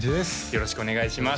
よろしくお願いします